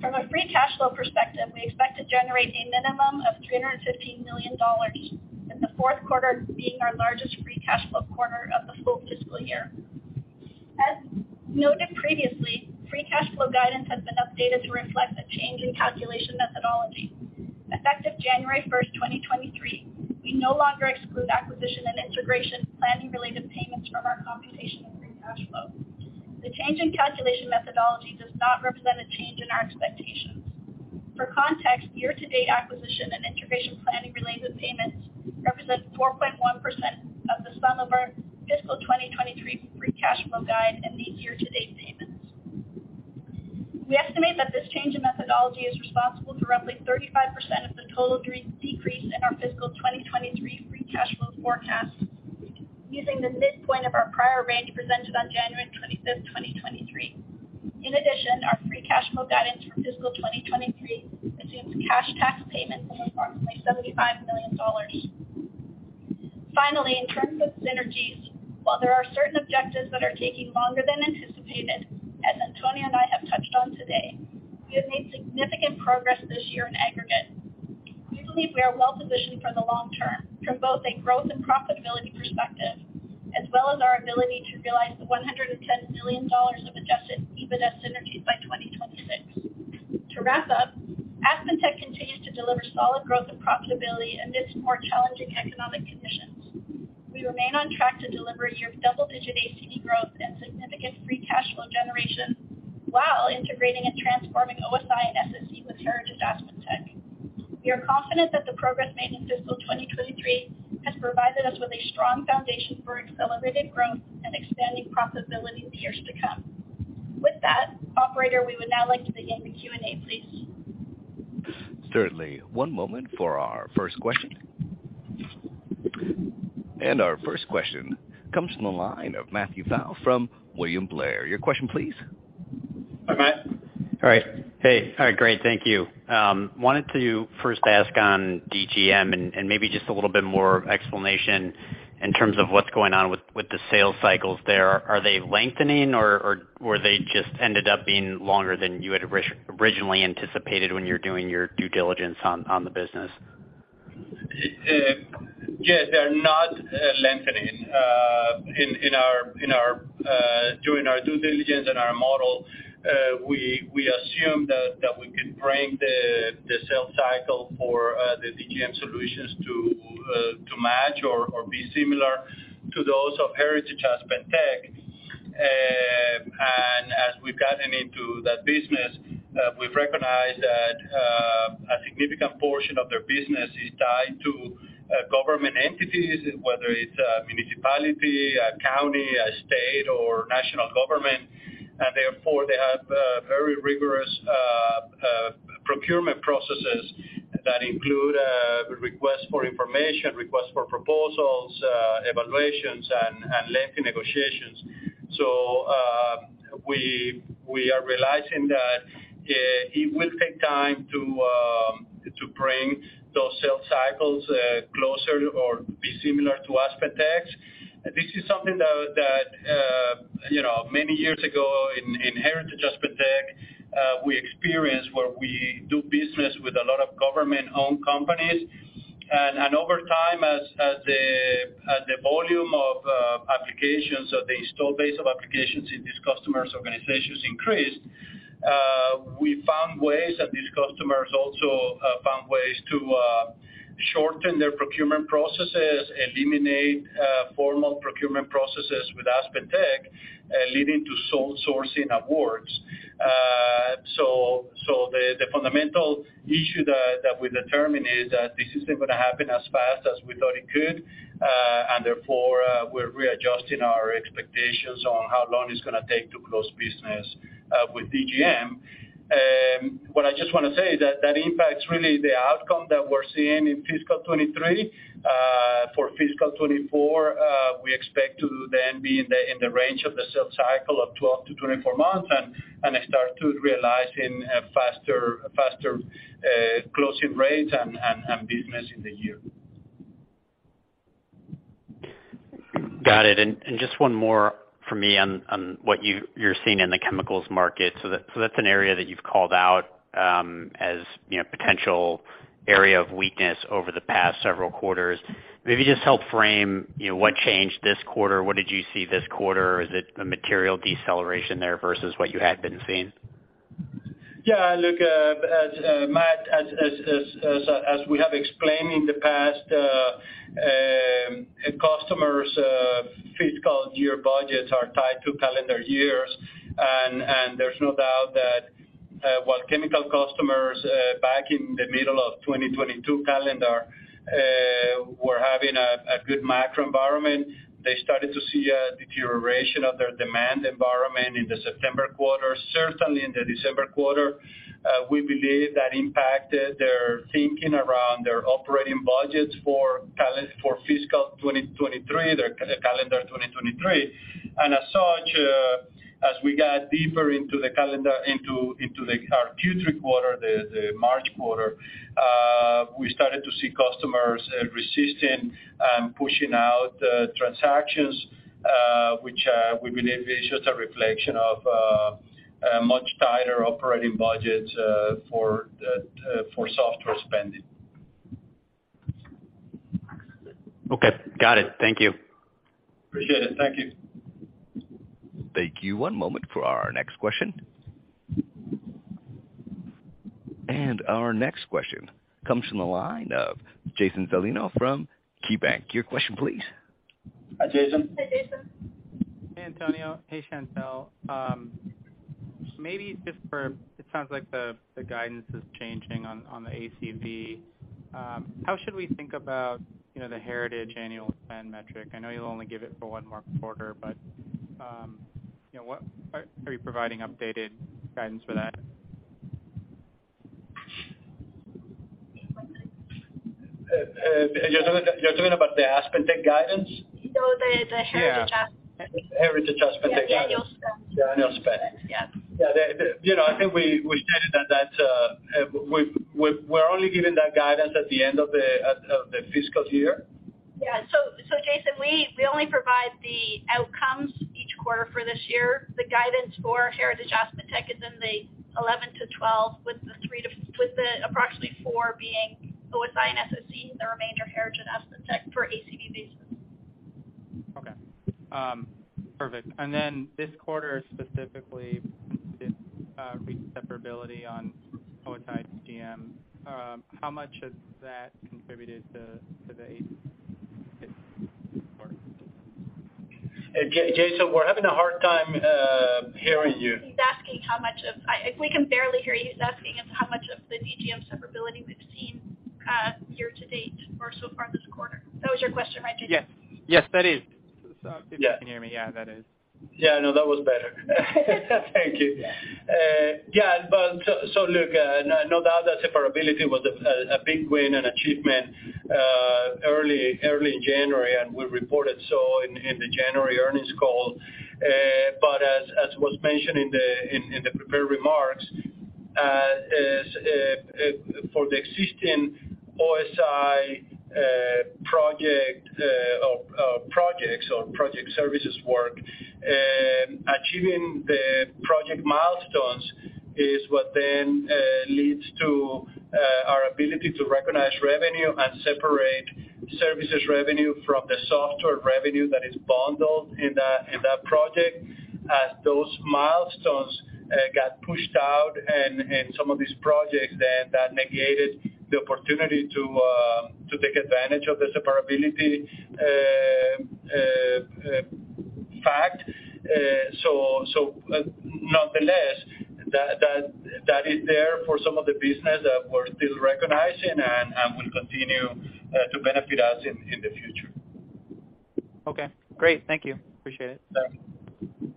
From a free cash flow perspective, we expect to generate a minimum of $315 million, and the fourth quarter being our largest free cash flow quarter of the full fiscal year. As noted previously, free cash flow guidance has been updated to reflect the change in calculation methodology. Effective January 1st, 2023, we no longer exclude acquisition and integration planning related payments from our computation of free cash flow. The change in calculation methodology does not represent a change in our expectations. For context, year-to-date acquisition and integration planning related payments represent 4.1% of the sum of our fiscal 2023 free cash flow guide and the year-to-date payments. We estimate that this change in methodology is responsible for roughly 35% of the total decrease in our fiscal 2023 free cash flow forecast using the midpoint of our prior range presented on January 25, 2023. Our free cash flow guidance for fiscal 2023 assumes cash tax payments of approximately $75 million. In terms of synergies, while there are certain objectives that are taking longer than anticipated, as Antonio and I have touched on today, we have made significant progress this year in aggregate. We believe we are well-positioned for the long term from both a growth and profitability perspective, as well as our ability to realize the $110 million of adjusted EBITDA synergies by 2026. To wrap up, AspenTech continues to deliver solid growth and profitability amidst more challenging economic conditions. We remain on track to deliver year double-digit ACV growth and significant free cash flow generation while integrating and transforming OSI and SSE with Heritage AspenTech. We are confident that the progress made in fiscal 2023 has provided us with a strong foundation for accelerated growth and expanding profitability in the years to come. With that, operator, we would now like to begin the Q&A, please. Certainly. One moment for our first question. Our first question comes from the line of Matthew Pfau from William Blair. Your question please. Hi, Matt. All right. Hey. All right, great. Thank you. wanted to first ask on DGM and maybe just a little bit more explanation in terms of what's going on with the sales cycles there. Are they lengthening or they just ended up being longer than you had originally anticipated when you were doing your due diligence on the business? Yes, they are not lengthening. In our, in our, doing our due diligence and our model, we assume that we can bring the sales cycle for the DGM solutions to match or be similar to those of Heritage AspenTech. As we've gotten into that business, we've recognized that a significant portion of their business is tied to government entities, whether it's a municipality, a county, a state, or national government. Therefore, they have very rigorous procurement processes that include request for information, request for proposals, evaluations, and lengthy negotiations. We are realizing that it will take time to bring those sales cycles closer or be similar to AspenTech's. This is something that, you know, many years ago in Heritage AspenTech, we experienced where we do business with a lot of government-owned companies. Over time, as the volume of applications or the install base of applications in these customers' organizations increased, we found ways that these customers also found ways to shorten their procurement processes, eliminate formal procurement processes with AspenTech, leading to sole sourcing awards. The fundamental issue that we determined is that this isn't gonna happen as fast as we thought it could. Therefore, we're readjusting our expectations on how long it's gonna take to close business with DGM. What I just wanna say is that impacts really the outcome that we're seeing in fiscal 2023. For fiscal 2024, we expect to then be in the range of the sales cycle of 12 to 24 months and start to realizing a faster, closing rates and business in the year. Got it. Just one more from me on what you're seeing in the chemicals market. That's an area that you've called out, as, you know, potential area of weakness over the past several quarters. Maybe just help frame, you know, what changed this quarter. What did you see this quarter? Is it a material deceleration there versus what you had been seeing? Yeah, look, as Matt, as we have explained in the past, customers' fiscal year budgets are tied to calendar years. There's no doubt that while chemical customers, back in the middle of 2022 calendar, were having a good macro environment. They started to see a deterioration of their demand environment in the September quarter. Certainly in the December quarter, we believe that impacted their thinking around their operating budgets for fiscal 2023, their calendar 2023. As such, as we got deeper into the calendar into the, our Q3 quarter, the March quarter, we started to see customers resisting and pushing out transactions, which we believe is just a reflection of a much tighter operating budget for software spending. Okay. Got it. Thank you. Appreciate it. Thank you. Thank you. One moment for our next question. Our next question comes from the line of Jason Celino from KeyBanc. Your question, please. Hi, Jason. Hi, Jason. Hey, Antonio. Hey, Chantelle. It sounds like the guidance is changing on the ACV. How should we think about, you know, the Heritage annual spend metric? I know you'll only give it for one more quarter, but, you know, are you providing updated guidance for that? You're talking about, you're talking about the AspenTech guidance? No, the Heritage AspenTech. Heritage AspenTech guidance. The annual spend. The annual spend. Yeah. Yeah. The, you know, I think we stated that we're only giving that guidance at the end of the fiscal year. Yeah. so Jason, we only provide the outcomes each quarter for this year. The guidance for Heritage AspenTech is in the $11-$12, with the approximately $4 being OSI and SSE, the remainder Heritage AspenTech for ACV basis. Okay. Perfect. This quarter specifically, this re-separability on OSI DGM, how much has that contributed to the ACV for this quarter? Jason, we're having a hard time hearing you. He's asking how much of. I, we can barely hear you. He's asking of how much of the DGM separability we've seen year-to-date or so far this quarter. That was your question, right, Jason? Yes. Yes, that is. If you can hear me, yeah, that is. Yeah. No, that was better. Thank you. Yeah. Yeah, look, no doubt that separability was a big win and achievement early in January, and we reported so in the January earnings call. As was mentioned in the prepared remarks, is for the existing OSI project services work. Achieving the project milestones is what leads to our ability to recognize revenue and separate services revenue from the software revenue that is bundled in that project. As those milestones got pushed out and some of these projects that negated the opportunity to take advantage of the separability fact. Nonetheless, that is there for some of the business that we're still recognizing and will continue to benefit us in the future. Okay, great. Thank you. Appreciate it. Yeah.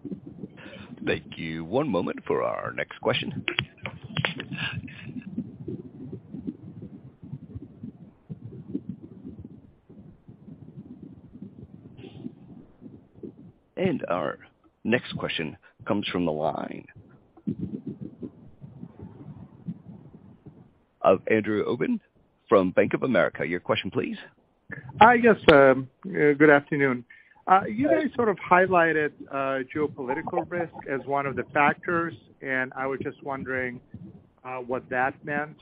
Thank you. One moment for our next question. Our next question comes from the line of Andrew Obin from Bank of America. Your question please. Yes, good afternoon. You guys sort of highlighted geopolitical risk as one of the factors, I was just wondering what that meant,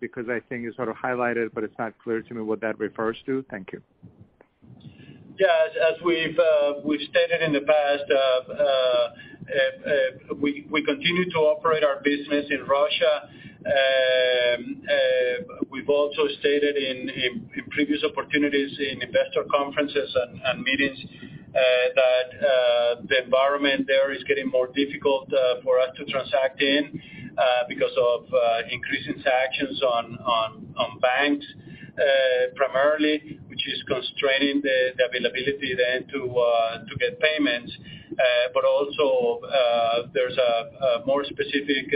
because I think you sort of highlighted, but it's not clear to me what that refers to. Thank you. Yeah. As we've stated in the past, we continue to operate our business in Russia. We've also stated in previous opportunities in investor conferences and meetings that the environment there is getting more difficult for us to transact in because of increasing sanctions on banks primarily, which is constraining the availability then to get payments. Also, there's a more specific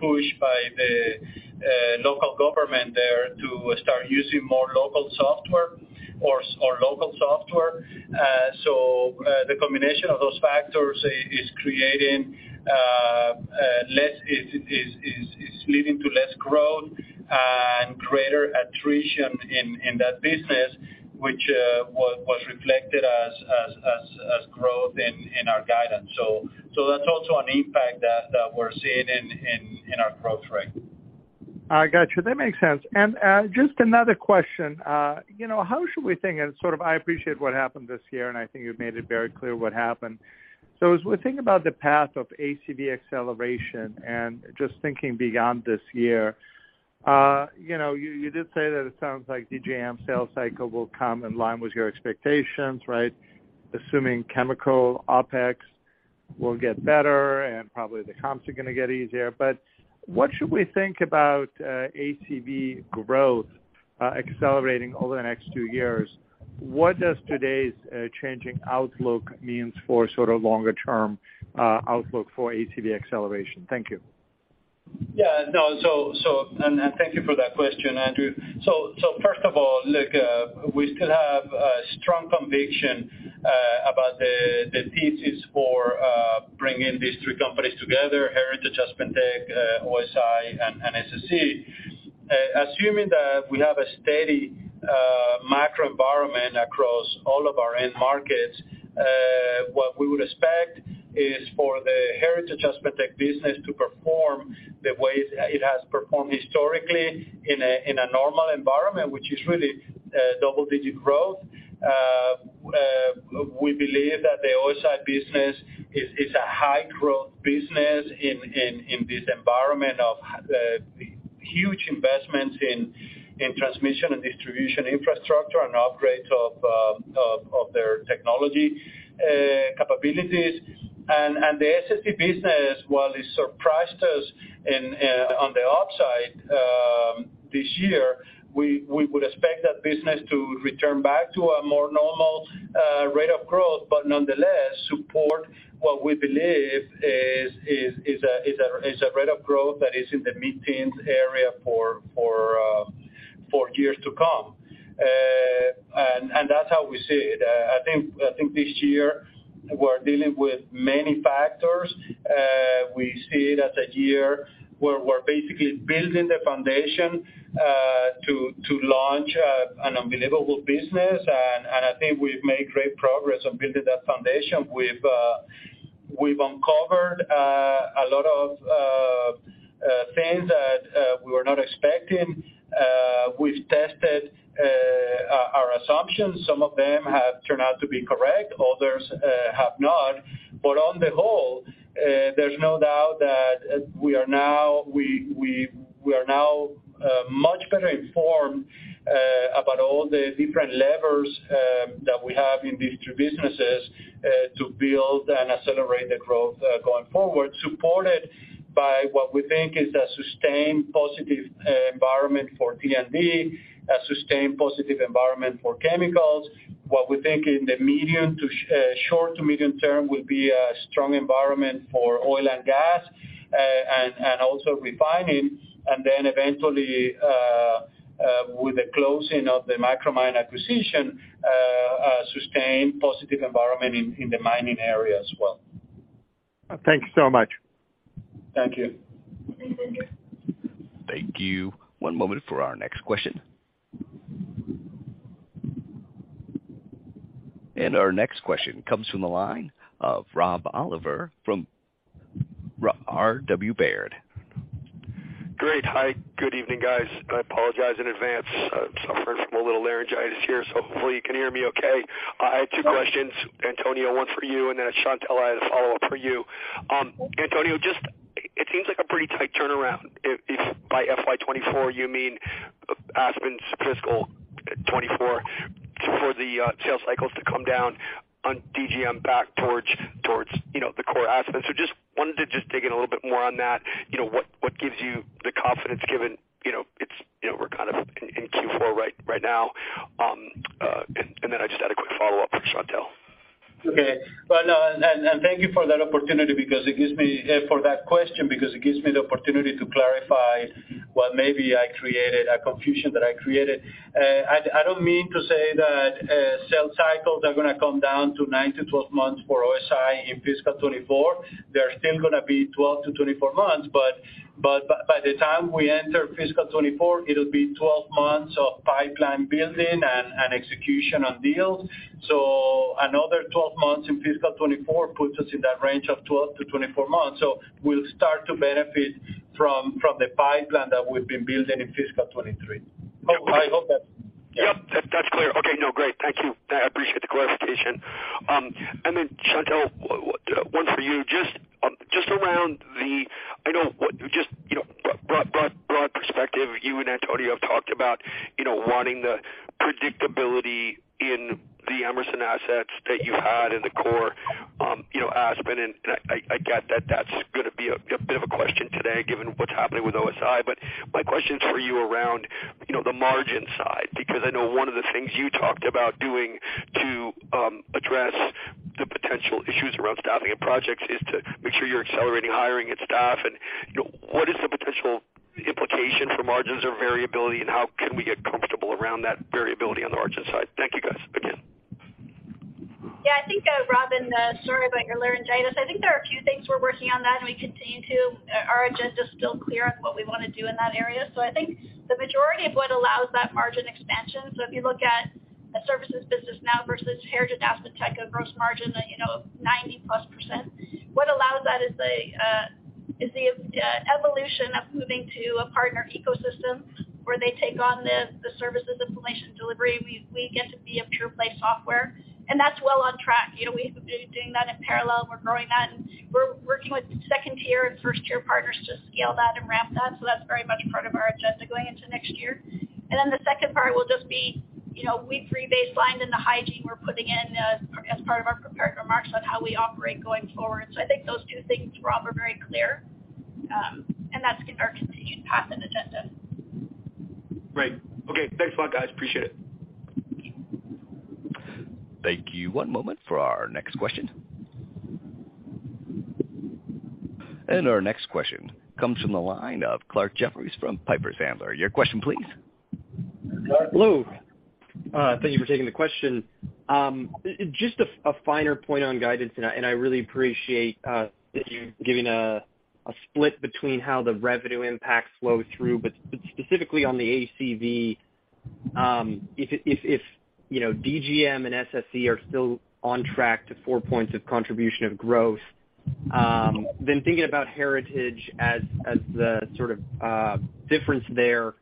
push by the local government there to start using more local software or local software. The combination of those factors is leading to less growth and greater attrition in that business, which was reflected as growth in our guidance. That's also an impact that we're seeing in our growth rate. I got you. That makes sense. Just another question. You know, how should we think and sort of I appreciate what happened this year, and I think you've made it very clear what happened. As we think about the path of ACV acceleration and just thinking beyond this year, you know, you did say that it sounds like DGM sales cycle will come in line with your expectations, right? Assuming chemical OpEx will get better and probably the comps are gonna get easier. What should we think about ACV growth accelerating over the next two years? What does today's changing outlook means for sort of longer term outlook for ACV acceleration? Thank you. Yeah. No. Thank you for that question, Andrew. First of all, look, we still have a strong conviction about the thesis for bringing these three companies together, Heritage AspenTech, OSI and SSE. Assuming that we have a steady macro environment across all of our end markets, what we would expect is for the Heritage AspenTech business to perform the way it has performed historically in a normal environment, which is really double-digit growth. We believe that the OSI business is a high growth business in this environment of huge investments in Transmission and Distribution infrastructure and upgrades of their technology capabilities. The SSE business, while it surprised us in on the upside, this year, we would expect that business to return back to a more normal rate of growth, but nonetheless, support what we believe is a rate of growth that is in the mid-teens area for years to come. That's how we see it. I think this year we're dealing with many factors. We see it as a year where we're basically building the foundation to launch an unbelievable business. I think we've made great progress on building that foundation. We've uncovered a lot of things that we were not expecting. We've tested our assumptions. Some of them have turned out to be correct, others have not. On the whole, there's no doubt that we are now much better informed about all the different levers that we have in these two businesses to build and accelerate the growth going forward, supported by what we think is a sustained positive environment for T&D, a sustained positive environment for chemicals. What we think in the medium to short to medium term will be a strong environment for oil and gas, and also refining, and then eventually, with the closing of the Micromine acquisition, a sustained positive environment in the mining area as well. Thank you so much. Thank you. Thank you. Thank you. One moment for our next question. Our next question comes from the line of Rob Oliver from R.W. Baird. Great. Hi, good evening, guys. I apologize in advance. I'm suffering from a little laryngitis here, so hopefully you can hear me okay. I have two questions, Antonio, one for you, and then, Chantelle, I have a follow-up for you. Antonio, it seems like a pretty tight turnaround if by FY 2024 you mean Aspen's fiscal 2024 for the sales cycles to come down on DGM back towards, you know, the core Aspen. Wanted to dig in a little bit more on that. You know, what gives you the confidence given, you know, it's, you know, we're kind of in Q4 right now. I just had a quick follow-up for Chantelle. Okay. No, and thank you for that opportunity because for that question it gives me the opportunity to clarify what maybe I created, a confusion that I created. I don't mean to say that sales cycles are gonna come down to 9-12 months for OSI in fiscal 24. They're still gonna be 12-24 months, but by the time we enter fiscal 24, it'll be 12 months of pipeline building and execution on deals. Another 12 months in fiscal 24 puts us in that range of 12-24 months. We'll start to benefit from the pipeline that we've been building in fiscal 23. I hope that. Yep, that's clear. Okay. No, great. Thank you. I appreciate the clarification. Then Chantelle, one for you, just around the I know what just, you know, broad perspective, you and Antonio have talked about, you know, wanting the predictability in the Emerson assets that you had in the core, you know, Aspen, and I get that that's gonna be a bit of a question today given what's happening with OSI. My question is for you around, you know, the margin side, because I know one of the things you talked about doing to address the potential issues around staffing and projects is to make sure you're accelerating hiring and staff. You know, what is the potential implication for margins or variability, and how can we get comfortable around that variability on the margin side? Thank you, guys, again. Yeah. I think Rob, sorry about your laryngitis. I think there are a few things we're working on that, and we continue to. Our agenda is still clear on what we wanna do in that area. I think the majority of what allows that margin expansion, so if you look at the services business now versus Heritage AspenTech and gross margin, you know, 90%+, what allows that is the evolution of moving to a partner ecosystem where they take on the services, information delivery. We get to be a pure play software, and that's well on track. You know, we've been doing that in parallel. We're growing that, and we're working with second-tier and first-tier partners to scale that and ramp that. That's very much part of our agenda going into next year. The second part will just be, you know, we rebaselined in the hygiene we're putting in as part of our prepared remarks on how we operate going forward. I think those two things, Rob, are very clear, and that's been our continued path and agenda. Great. Okay. Thanks a lot, guys. Appreciate it. Thank you. One moment for our next question. Our next question comes from the line of Clarke Jefferies from Piper Sandler. Your question, please. Hello. Thank you for taking the question. Just a finer point on guidance, I really appreciate you giving a split between how the revenue impact flows through, but specifically on the ACV, if, you know, DGM and SSE are still on track to 4 points of contribution of growth, thinking about Heritage as the sort of difference there,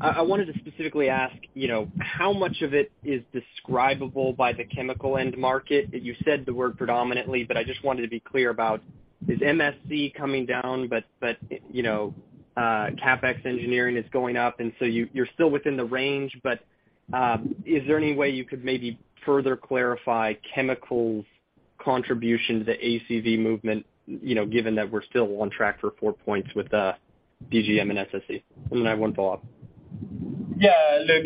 I wanted to specifically ask, you know, how much of it is describable by the chemical end market? You said the word predominantly, I just wanted to be clear about is MSC coming down but, you know, CapEx engineering is going up, so you're still within the range. Is there any way you could maybe further clarify chemicals contribution to ACV movement, you know, given that we're still on track for 4 points with DGM and SSE? Then I have one follow-up. Yeah. Look,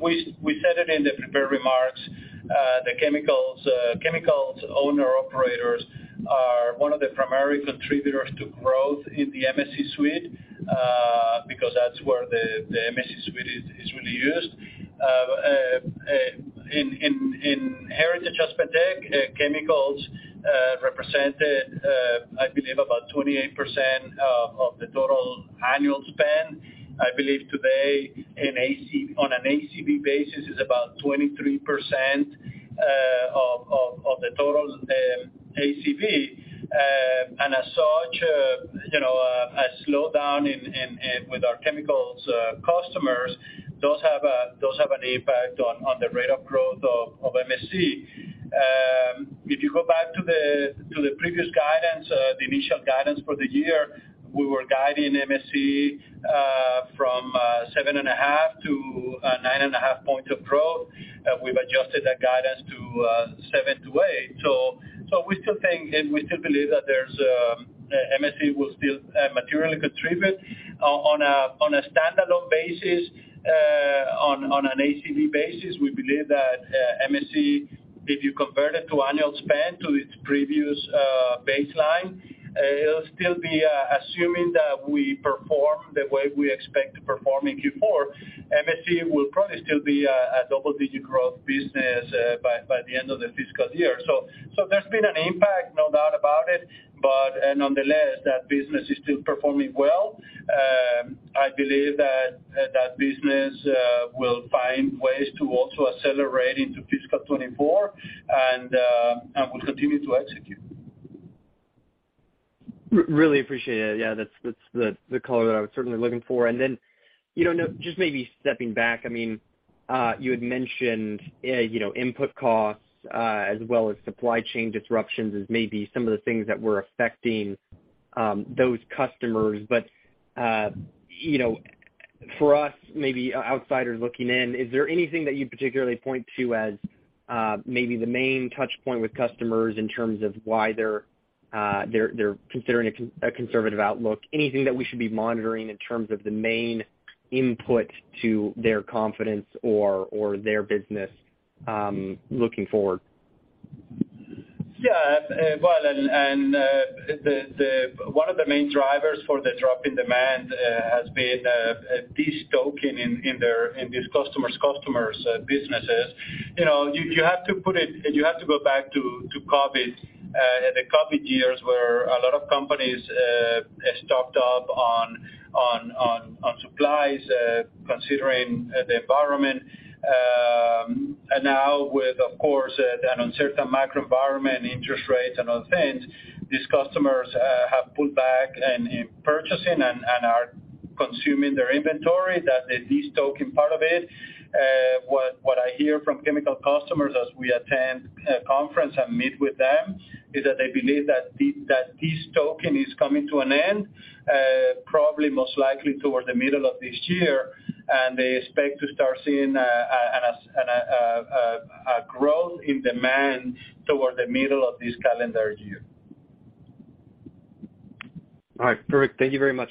we said it in the prepared remarks, the chemicals owner-operators are one of the primary contributors to growth in the MSC suite, because that's where the MSC suite is really used. In Heritage AspenTech, chemicals, represented, I believe about 28% of the total annual spend. I believe today on an ACV basis is about 23% of the total ACV. As such, you know, a slowdown with our chemicals, customers does have an impact on the rate of growth of MSC. If you go back to the, to the previous guidance, the initial guidance for the year, we were guiding MSC from 7.5 to 9.5 points of growth. We've adjusted that guidance to seven to eight. We still think and we still believe that there's MSC will still materially contribute. On a, on a standalone basis, on an ACV basis, we believe that MSC, if you convert it to annual spend to its previous baseline, it'll still be, assuming that we perform the way we expect to perform in Q4 MSC will probably still be a double-digit growth business by the end of the fiscal year. There's been an impact, no doubt about it, nonetheless, that business is still performing well. I believe that business will find ways to also accelerate into fiscal 2024 and will continue to execute. Really appreciate it. Yeah, that's the color that I was certainly looking for. Then, you know, just maybe stepping back, I mean, you had mentioned, you know, input costs, as well as supply chain disruptions as maybe some of the things that were affecting those customers. You know, for us maybe outsiders looking in, is there anything that you'd particularly point to as maybe the main touch point with customers in terms of why they're considering a conservative outlook? Anything that we should be monitoring in terms of the main input to their confidence or their business, looking forward? The one of the main drivers for the drop in demand has been destocking in their, in these customers' businesses. You know, you have to go back to COVID, the COVID years, where a lot of companies stocked up on supplies, considering the environment. Now with, of course, an uncertain macro environment, interest rates and other things, these customers have pulled back in purchasing and are consuming their inventory. That the destocking part of it. What I hear from chemical customers as we attend conference and meet with them is that they believe that destocking is coming to an end, probably most likely toward the middle of this year. They expect to start seeing a growth in demand toward the middle of this calendar year. All right, perfect. Thank you very much.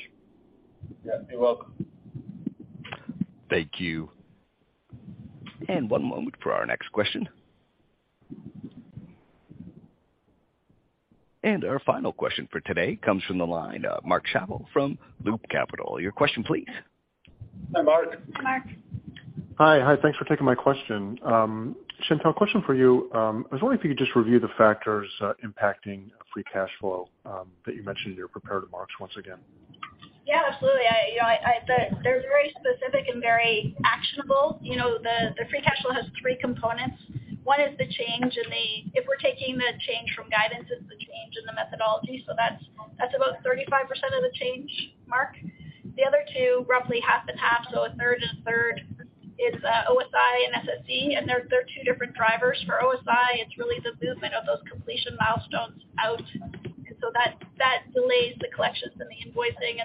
Yeah, you're welcome. Thank you. One moment for our next question. Our final question for today comes from the line, Mark Schappel from Loop Capital Markets. Your question please. Hi, Mark. Mark. Hi. Thanks for taking my question. Chantelle, question for you. I was wondering if you could just review the factors impacting free cash flow that you mentioned in your prepared remarks once again. Yeah, absolutely. You know, they're very specific and very actionable. You know, the free cash flow has three components. One is the change in the if we're taking the change from guidance, it's the change in the methodology. That's about 35% of the change, Mark. The other two, roughly half and half, so a third is OSI and SSE. They're two different drivers. For OSI, it's really the movement of those completion milestones out. That delays the collections and the invoicing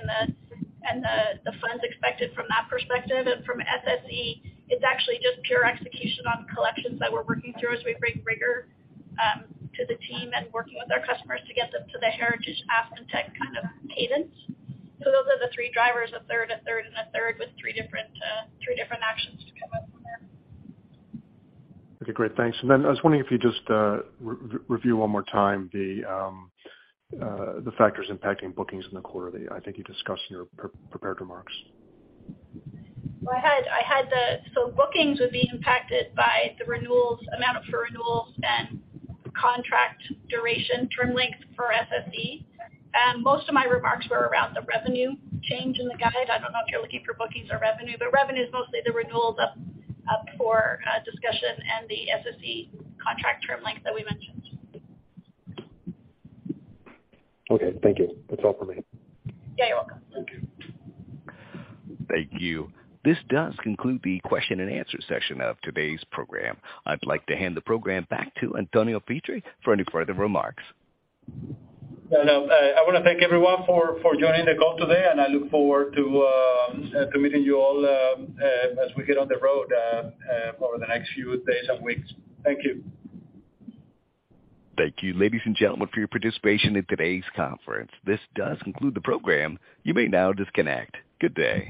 and the funds expected from that perspective. From SSE, it's actually just pure execution on collections that we're working through as we bring rigor to the team and working with our customers to get them to the Heritage AspenTech kind of cadence. Those are the three drivers, a third, a third, and a third with three different, three different actions to come up from there. Okay, great. Thanks. I was wondering if you'd just review one more time the factors impacting bookings in the quarter that I think you discussed in your prepared remarks? Well, I had so bookings would be impacted by the renewals, amount up for renewals and contract duration, term length for SSE. Most of my remarks were around the revenue change in the guide. I don't know if you're looking for bookings or revenue, but revenue is mostly the renewals up for discussion and the SSE contract term length that we mentioned. Okay, thank you. That's all for me. Yeah, you're welcome. Thank you. Thank you. This does conclude the question-and-answer section of today's program. I'd like to hand the program back to Antonio Pietri for any further remarks. No, no. I wanna thank everyone for joining the call today, and I look forward to meeting you all as we get on the road over the next few days and weeks. Thank you. Thank you, ladies and gentlemen, for your participation in today's conference. This does conclude the program. You may now disconnect. Good day.